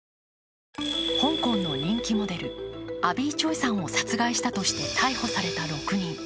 香港の人気モデルアビー・チョイさんを殺害したとして逮捕された６人。